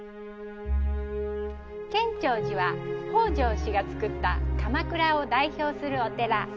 建長寺は、北条氏が造った鎌倉を代表するお寺。